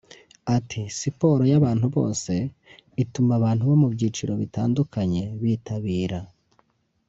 Ati "Siporo y’abantu bose ituma abantu bo mu byiciro bitandukanye bitabira